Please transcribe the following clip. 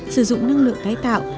sử dụng năng lượng tái tạo